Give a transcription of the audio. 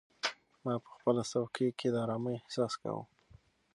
ما په خپله څوکۍ کې د ارامۍ احساس کاوه.